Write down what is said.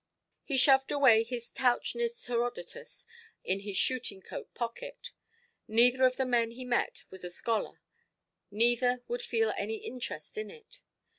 He shoved away his Tauchnitz Herodotus in his shooting–coat pocket. Neither of the men he met was a scholar; neither would feel any interest in it.